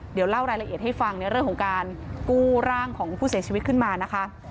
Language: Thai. เดี๋ยวเล่ารายละเอียดให้ฟังในเรื่องของการกู้ร่างของผู้เสียชีวิตขึ้นมานะคะ